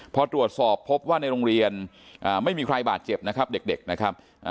พอตรวจสอบพบว่าในโรงเรียนไม่มีใครบาดเจ็บนะครับเด็กนะครับ